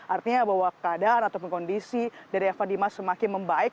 artinya bahwa keadaan ataupun kondisi dari evan dimas semakin membaik